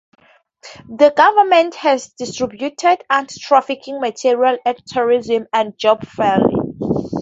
The government has distributed anti-trafficking material at tourism and job fairs.